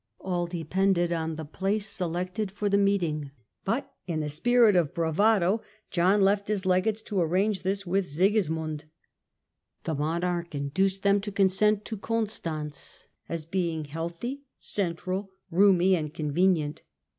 All depended on the place selected for the meeting, but. Proposed in a spirit of bravado, John left his legates to arrange S°""^ii ^*^^..'*=>*=' Constance this with Sigismund. The monarch induced them to consent to Constance as being healthy, central, roomy and convenient.